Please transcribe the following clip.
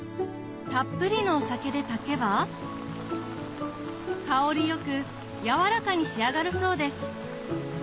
たっぷりのお酒で炊けば香りよく軟らかに仕上がるそうです